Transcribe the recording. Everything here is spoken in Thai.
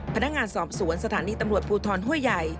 พนักงานสอบสวนสถานีตำรวจภูทรห้วยใหญ่